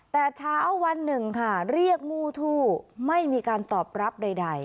แต่เช้าวันหนึ่งค่ะเรียกมู้ทู่ไม่มีการตอบรับใด